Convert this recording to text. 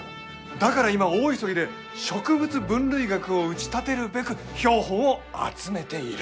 だから今大急ぎで植物分類学を打ち立てるべく標本を集めている。